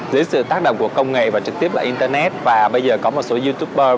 dưới sự tác động của công nghệ và trực tiếp là internet và bây giờ có một số youtuber